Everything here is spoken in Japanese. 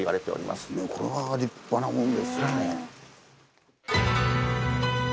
これは立派なもんですよね。